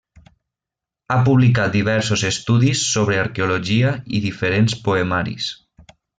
Ha publicat diversos estudis sobre arqueologia i diferents poemaris.